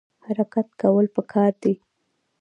حرکت کول پکار دي